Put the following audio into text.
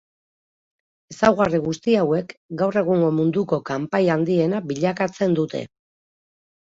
Ezaugarri guzti hauek gaur egungo munduko kanpai handiena bilakatzen dute.